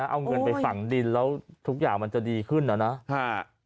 เอาเงินไปฝังดินแล้วทุกอย่างมันจะดีขึ้นนะนะ